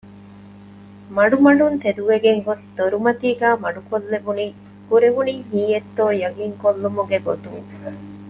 މަޑުމަޑުން ތެދުވެގެންގޮސް ދޮރުމަތީގައި މަޑުކޮށްލެވުނީ ކުރެވުނީ ހީއެއްތޯ ޔަޤީންކޮށްލުމުގެ ގޮތުން